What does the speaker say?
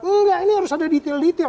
enggak ini harus ada detail detail